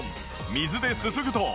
水ですすぐと。